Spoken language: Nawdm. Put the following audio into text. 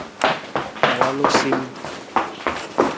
Ma walu siwung.